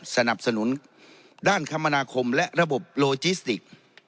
สนับสนุนด้านคมนาคมและระบบโลจิสติก